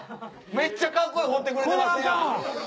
めっちゃカッコよう彫ってくれてますやん！